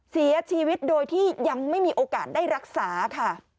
เสียชีวิตโดยที่ยังไม่มีโอกาสได้รักษาค่ะ